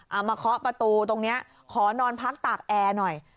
มาเคาะประตูตรงนี้ขอนอนพักตากแอร์หน่อย